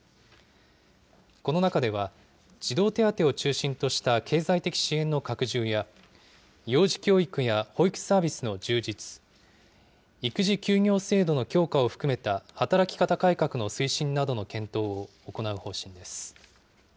この中では、児童手当を中心とした経済的支援の拡充や、幼児教育や保育サービスの充実、育児休業制度の強化を含めた働き方改革の推進などの検討を行う方針です。